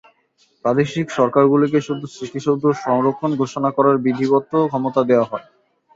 প্রাদেশিক সরকারগুলোকে শুধু স্মৃতিসৌধ সংরক্ষণ ঘোষণা করার বিধিবদ্ধ ক্ষমতা দেওয়া হয়।